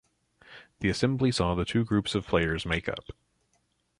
The assembly saw the two groups of players make up.